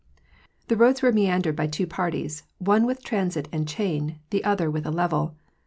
The roads were meandered by two parties, one with transit and chain, the other with a level.